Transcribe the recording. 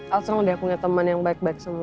altsong udah punya temen yang baik baik semua